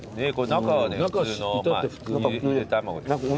中は普通のゆで卵ですね。